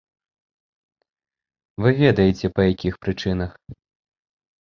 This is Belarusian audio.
Вы ведаеце па якіх прычынах.